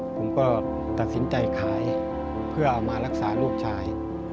ผมก็ตัดสินใจขายเพื่อเอามารักษาลูกชาย